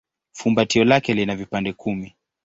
Fumbatio lake lina vipande kumi.